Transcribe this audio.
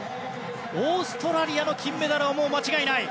オーストラリアの金メダルは間違いない。